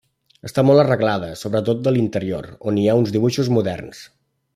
Està molt arreglada, sobretot de l'interior, on hi ha uns dibuixos moderns.